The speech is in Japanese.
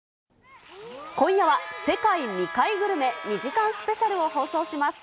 今夜は、世界未開グルメ２時間スペシャルを放送します。